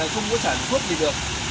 không có sản xuất gì được